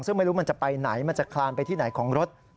ซึ่งไม่รู้มันจะไปไหนมันจะคลานไปที่ไหนของรถ